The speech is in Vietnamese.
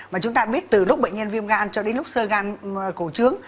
mà chúng ta biết từ lúc bệnh nhân viêm gan cho đến lúc sơ gan cổ trướng